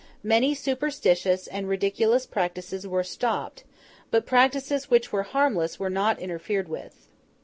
Many superstitious and ridiculous practices were stopped; but practices which were harmless were not interfered with.